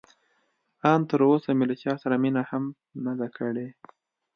ان تراوسه مې له چا سره مینه هم نه ده کړې.